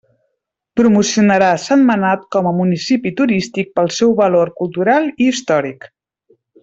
Promocionarà Sentmenat com a municipi turístic pel seu valor cultural i històric.